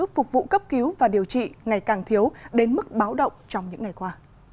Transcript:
phục vụ cấp cứu và điều trị ngày càng thiếu đến mức báo động trong những ngày qua